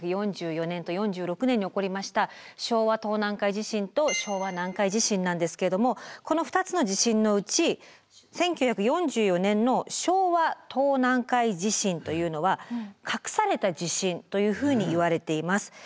１９４４年と４６年に起こりました昭和東南海地震と昭和南海地震なんですけれどもこの２つの地震のうち１９４４年の昭和東南海地震というのは隠された地震というふうにいわれています。